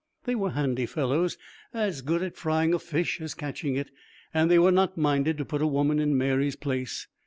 They were handy fellows, as good at frying a fish as catching it, and they were not minded to put a woman in Mary's place.